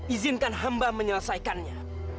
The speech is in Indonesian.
izinkan hamba menyelesaikannya